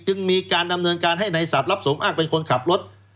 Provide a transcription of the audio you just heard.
จึงมีการดำเนินการให้ในสัตว์รับสมอ้างเป็นคนขับรถ